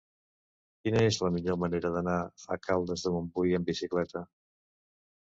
Quina és la millor manera d'anar a Caldes de Montbui amb bicicleta?